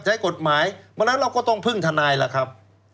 ใช้กฎหมายเมื่อนั้นเราก็ต้องพึ่งธนายล่ะครับ